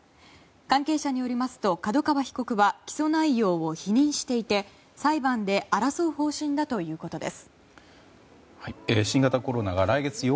関係者によりますと角川被告は起訴内容を否認していて裁判で争う方針だということです。